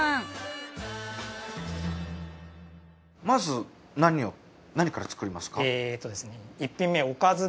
まず何から作りますか？